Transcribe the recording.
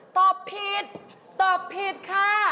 ตอบผิดตอบผิดค่ะ